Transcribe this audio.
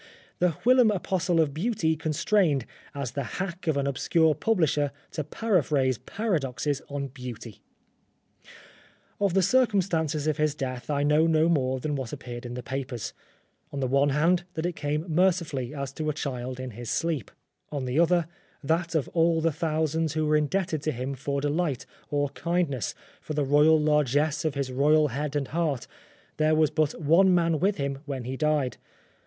The whilom apostle of Beauty constrained, as the hack of an obscure publisher, to paraphrase paradoxes on Beauty ! Of the circumstances of his death I know no more than what appeared in the papers : on the one hand, that it came mercifully, as to a child in its sleep ; on the other, that of 256 Oscar Wilde all the thousands who were indebted to him for delight, or kindness, for the royal largesse of his royal head and heart, there was but one man with him when he died.